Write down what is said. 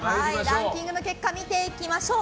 ランキングの結果見ていきましょう。